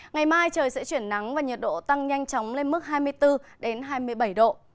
ngày mai trời sẽ chuyển nắng và nhiệt độ tăng nhanh chóng lên mức hai mươi bốn hai mươi bảy độ